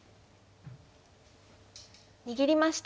握りまして